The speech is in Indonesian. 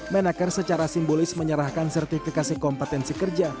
menaker secara simbolis menyerahkan sertifikasi kompetensi kerja